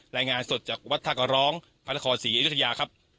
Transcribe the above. รายงานสดจากวัดท่ากระร้องพระนครศรีอยุธยาครับ